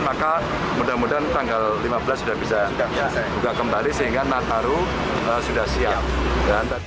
maka mudah mudahan tanggal lima belas sudah bisa buka kembali sehingga nataru sudah siap